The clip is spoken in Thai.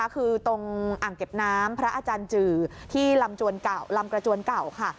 คือตรงอ่างเก็บน้ำพระอาจารย์จือที่ลำกระจวนเก่าค่ะ